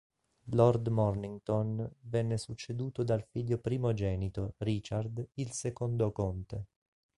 Lord Mornington venne succeduto dal figlio primogenito, Richard, il secondo conte.